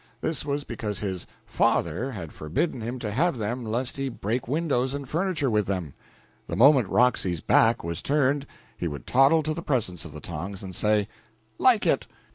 This was because his "father" had forbidden him to have them lest he break windows and furniture with them. The moment Roxy's back was turned he would toddle to the presence of the tongs and say "Like it!"